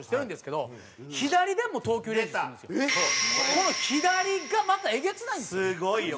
この左がまたえげつないんですよ。